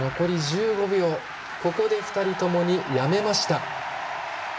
ここで２人ともにやめました。